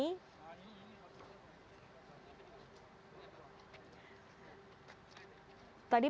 tadi presiden joko widodo dikujungi dengan menteri dan juga tim basarnas dikujungi dengan menteri